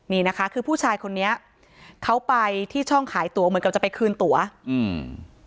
นี่นะคะคือผู้ชายคนนี้เขาไปที่ช่องขายตัวเหมือนกับจะไปคืนตัวอืม